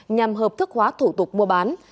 nhằm hợp thức hóa thủ tục mua bán